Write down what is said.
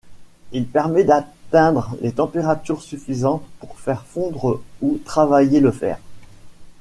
Il permet d'atteindre les températures suffisantes pour faire fondre ou travailler le fer.